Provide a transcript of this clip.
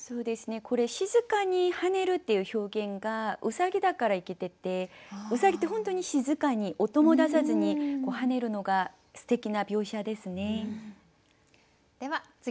「静かに跳ねる」っていう表現がうさぎだからいけててうさぎって本当に静かに音も出さずに跳ねるのがすてきな描写ですね。